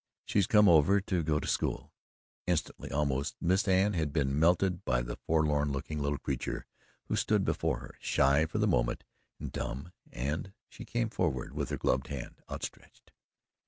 "She's come over to go to school." Instantly, almost, Miss Anne had been melted by the forlorn looking little creature who stood before her, shy for the moment and dumb, and she came forward with her gloved hand outstretched.